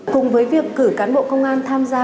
cùng với việc cử cán bộ công an tham gia